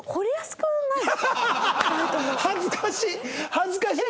恥ずかしい！